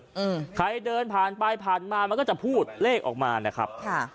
อืมใครเดินผ่านไปผ่านมามันก็จะพูดเลขออกมานะครับค่ะ